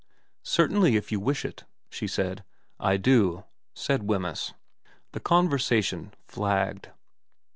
' Certainly if you wish it,' she said. ' I do,' said Wemyss. The conversation flagged.